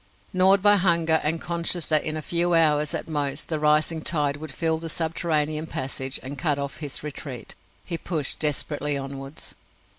Gnawed by hunger, and conscious that in a few hours at most the rising tide would fill the subterranean passage and cut off his retreat, he pushed desperately onwards.